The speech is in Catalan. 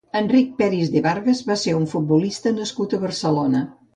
Enric Peris de Vargas va ser un futbolista nascut a Barcelona.